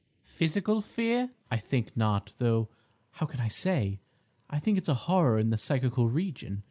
"Physical fear?" "I think not; though how can I say? I think it's a horror in the psychical region.